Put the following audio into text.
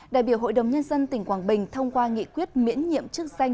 đại biểu hội đồng nhân dân tỉnh quảng bình thông qua nghị quyết miễn nhiệm chức danh